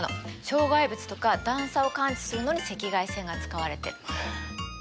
障害物とか段差を感知するのに赤外線が使われているの。